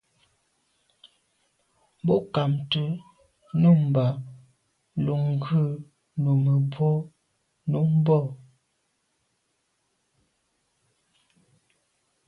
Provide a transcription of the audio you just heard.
Bo ghamt’é nummb’a lo ghù numebwô num bo.